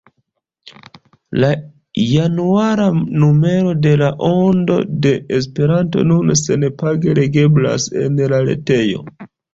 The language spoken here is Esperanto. La januara numero de La Ondo de Esperanto nun senpage legeblas en la retejo.